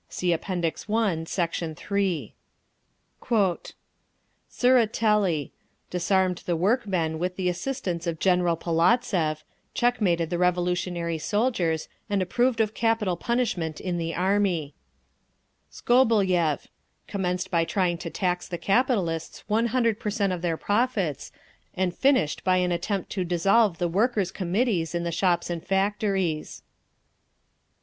(See App. I, Sect. 3) Tseretelli: disarmed the workmen with the assistance of General Polovtsev, checkmated the revolutionary soldiers, and approved of capital punishment in the army. Skobeliev: commenced by trying to tax the capitalists 100% of their profits, and finished—and finished by an attempt to dissolve the Workers' Committees in the shops and factories.